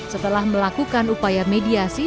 setelah melakukan upaya mediasi